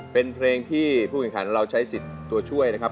เป็นเพลงที่ผู้แข่งขันเราใช้สิทธิ์ตัวช่วยนะครับ